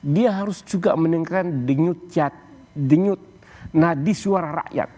dia harus juga mendengarkan denyut cat denyut nadi suara rakyat